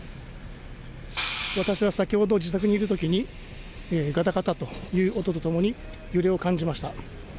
私は先ほど自宅にいるときに、がたがたという音とともに揺れを感じました。